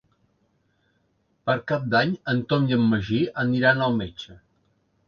Per Cap d'Any en Tom i en Magí aniran al metge.